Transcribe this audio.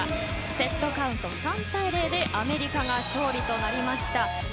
セットカウント３対０でアメリカが勝利となりました。